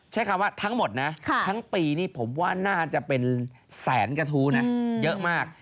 ใช้คำว่าทั้งหมดนะทั้งปีนี่ผมว่าน่าจะเป็นแสนกระทู้นะเยอะมาก